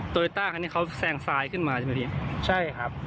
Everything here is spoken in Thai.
โยต้าคันนี้เขาแซงซ้ายขึ้นมาใช่ไหมพี่ใช่ครับ